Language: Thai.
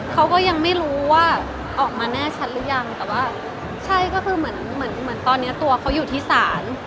เขาก็ยังไม่รู้ว่าออกมาแน่ชัดหรือยังแต่ว่าใช่ก็คือเหมือนเหมือนเหมือนตอนนี้ตัวเขาอยู่ที่ศาล